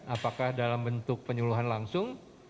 apakah dalam bentuk penyuluhan langsung